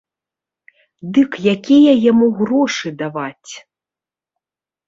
Дык якія яму грошы даваць?